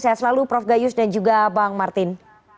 sehat selalu prof gayus dan juga bang martin